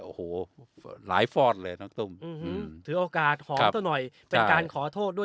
โอ้โหหลายฟอดเลยน้องตุ้มถือโอกาสหอมซะหน่อยเป็นการขอโทษด้วย